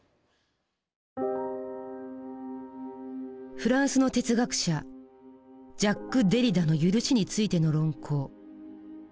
フランスの哲学者ジャック・デリダの「赦し」についての論考。